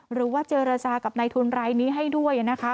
หรือว่าเจรจากับในทุนรายนี้ให้ด้วยนะคะ